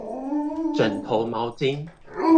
枕頭毛巾